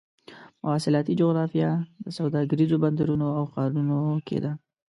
مواصلاتي جغرافیه د سوداګریزو بندرونو او ښارونو کې ده.